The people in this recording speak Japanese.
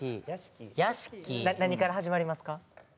何から始まりますか？